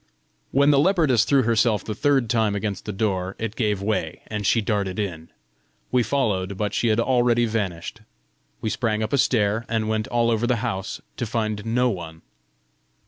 When the leopardess threw herself the third time against the door, it gave way, and she darted in. We followed, but she had already vanished. We sprang up a stair, and went all over the house, to find no one.